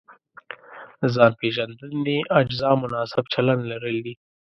د ځان پېژندنې اجزا مناسب چلند لرل دي.